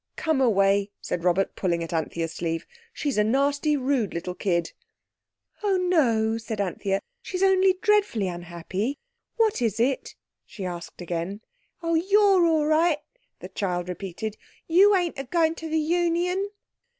"Come away," said Robert, pulling at Anthea's sleeve. "She's a nasty, rude little kid." "Oh, no," said Anthea. "She's only dreadfully unhappy. What is it?" she asked again. "Oh, you're all right," the child repeated; "you ain't agoin' to the Union."